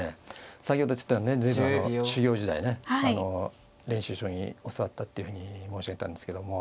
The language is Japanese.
先ほどちょっと随分あの修業時代ねあの練習将棋教わったっていうふうに申し上げたんですけども。